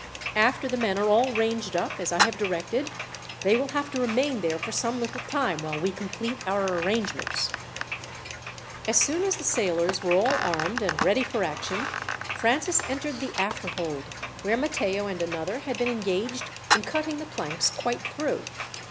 After the men are all ranged up as I have directed, they will have to remain there for some little time, while we complete our arrangements." As soon as the sailors were all armed, and ready for action, Francis entered the after hold, where Matteo and another had been engaged in cutting the planks quite through.